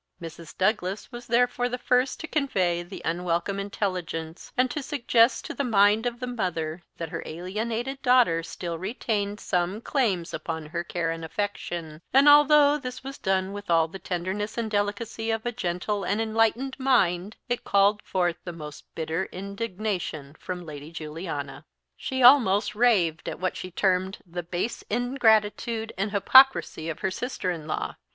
Mrs. Douglas was therefore the first to convey the unwelcome intelligence, and to suggest to the mind of the mother that her alienated daughter still retained some claims upon her care and affection; and although this was done with all the tenderness and delicacy of a gentle and enlightened mind, it called forth the most bitter indignation from Lady Juliana. She almost raved at what she termed the base ingratitude and hypocrisy of her sister in law.